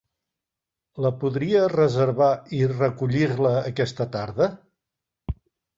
La podria reservar i recollir-la aquesta tarda?